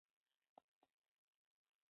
هغه په فضا کې د ژورې اندېښنې احساس کاوه.